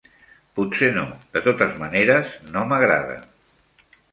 Potser no. De totes maneres, no m'agrada.